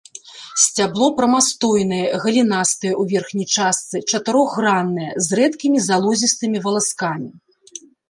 Сцябло прамастойнае, галінастае ў верхняй частцы, чатырохграннае, з рэдкімі залозістымі валаскамі.